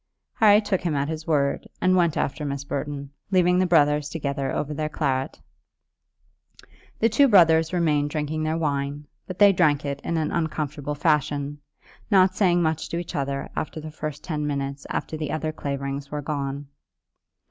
Harry took him at his word, and went after Miss Burton, leaving the brothers together over their claret. The two brothers remained drinking their wine, but they drank it in an uncomfortable fashion, not saying much to each other for the first ten minutes after the other Claverings were gone.